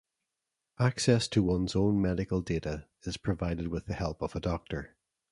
Access to one's own medical data is provided with the help of a doctor.